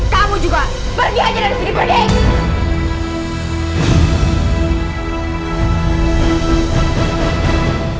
kamu juga pergi aja dari sini pergi